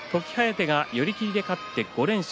時疾風が寄り切りで勝って５連勝。